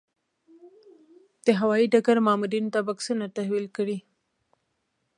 د هوايي ډګر مامورینو ته بکسونه تحویل کړي.